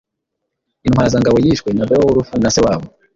Intwazangabo yishwe na Beowulf nase wabo